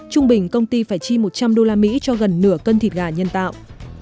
trung bình công ty phải chi một trăm linh đô la mỹ cho gần nửa cân thịt gà nhân tạo